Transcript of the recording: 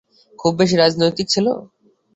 খুব বেশি রাজনৈতিক ছিল?